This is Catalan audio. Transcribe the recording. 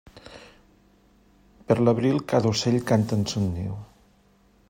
Per l'abril cada ocell canta en son niu.